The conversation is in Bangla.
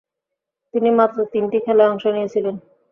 তিনি মাত্র তিনটি খেলায় অংশ নিয়েছিলেন।